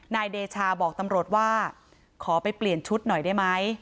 นายเดชาบอกตำรวจว่าขอไปเปลี่ยนชุดหน่อยได้ไหม